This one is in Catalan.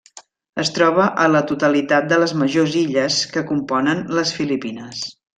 Es troba a la totalitat de les majors illes que componen les Filipines.